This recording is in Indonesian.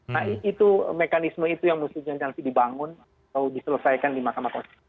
nah itu mekanisme itu yang mestinya nanti dibangun atau diselesaikan di mahkamah konstitusi